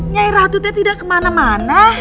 nyai ratutnya tidak kemana mana